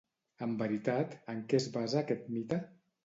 En veritat, en què es basa aquest mite?